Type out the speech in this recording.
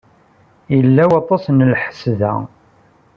Yella waṭas n lḥess da.